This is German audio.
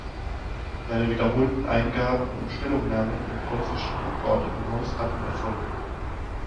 Seine wiederholten Eingaben und Stellungnahmen im Preußischen Abgeordnetenhaus hatten Erfolg.